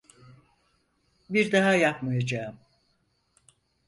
Bir daha yapmayacağım.